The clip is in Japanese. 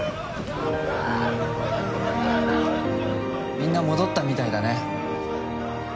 みんな戻ったみたいだね。